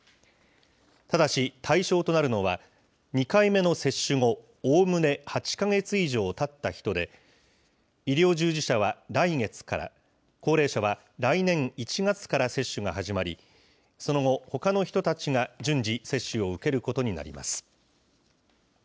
ただし対象となるのは、２回目の接種後、おおむね８か月以上たった人で、医療従事者は来月から、高齢者は来年１月から接種が始まり、その後、ほかの人たちが順次、接種を受けることになります。